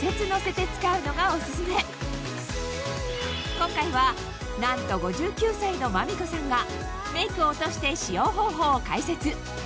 今回はなんと５９歳の眞未子さんがメイクを落として使用方法を解説